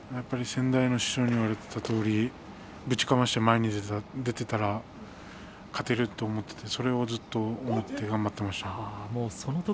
やっぱり先代の師匠に言われたとおりぶちかまして前に出ていったら勝てると思っていてそれをずっと思って頑張っていました。